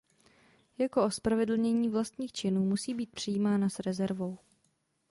Jako ospravedlnění vlastních činů musí být přijímána s rezervou.